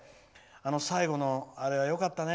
最後のあれはよかったね。